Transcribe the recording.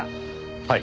はい。